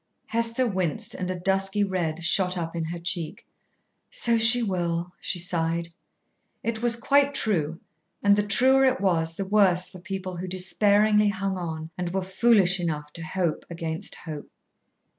Hester winced and a dusky red shot up in her cheek. "So she will," she sighed. It was quite true, and the truer it was the worse for people who despairingly hung on and were foolish enough to hope against hope.